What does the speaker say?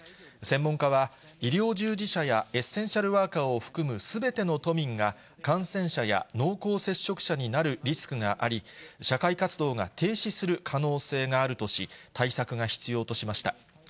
専門家は、医療従事者やエッセンシャルワーカーを含むすべての都民が、感染者や濃厚接触者になるリスクがあり、社会活動が停止する可能性があるとし、対策が必要としました。